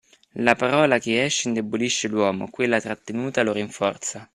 La parola che esce indebolisce l'uomo, quella trattenuta lo rinforza.